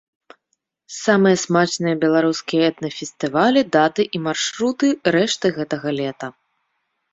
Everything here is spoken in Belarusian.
Самыя смачныя беларускія этна-фестывалі, даты і маршруты рэшты гэтага лета.